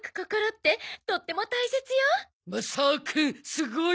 すごい。